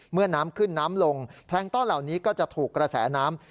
เมื่อน้ำขึ้นน้ำลงแพลงต้อนเหล่านี้ก็จะถูกกระแสน้ำ